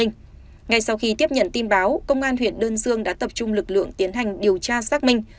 ngay sau khi tiếp nhận tin báo công an huyện đơn dương đã tập trung lực lượng tiến hành điều tra xác minh